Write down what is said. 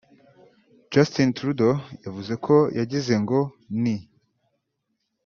Justin Trudeau yavuze ko yagize ngo ni